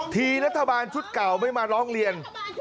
ทีรัฐบาลชุดเก่าไม่มาร้องเรียน